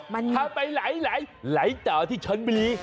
ถ้าไปไหลต่อที่ชนบุรี